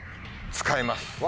使います！